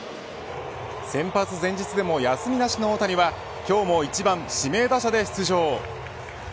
先発前日でも休みなしの大谷は今日も１番指名打者で出場。